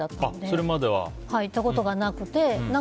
それまで行ったことなくて。